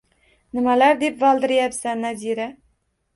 Nimalar deb valdirayapsan, Nazira